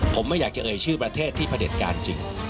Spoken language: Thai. ผมไม่อยากจะเอ่ยชื่อประเทศที่ประเด็จการจริง